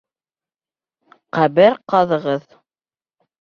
Ҡәбер ҡаҙығыҙ!